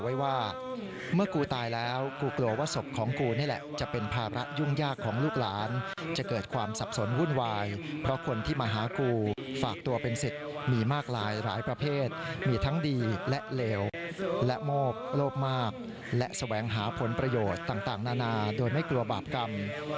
ไว้ว่าเมื่อกูตายแล้วกูกลัวว่าศพของกูนี่แหละจะเป็นภาระยุ่งยากของลูกหลานจะเกิดความสับสนวุ่นวายเพราะคนที่มาหากูฝากตัวเป็นสิทธิ์มีมากมายหลายประเภทมีทั้งดีและเลวและโมกโลภมากและแสวงหาผลประโยชน์ต่างนานาโดยไม่กลัวบาปกรรม